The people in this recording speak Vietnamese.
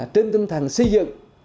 trên tinh thần xây dựng